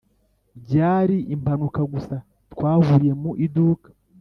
byari impanuka gusa twahuriye mu iduka.